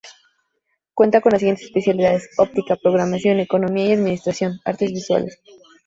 Cuenta con las siguientes especialidades: Óptica, Programación, Economía y Administración, Artes Visuales.